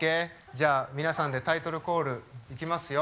じゃあ皆さんでタイトルコールいきますよ。